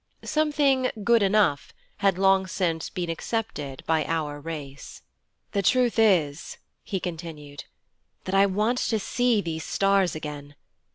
Something 'good enough' had long since been accepted by our race. 'The truth is,' he continued, 'that I want to see these stars again.